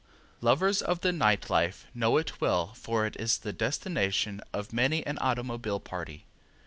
Lovers of the night life know it well for it is the destination of many an automobile party.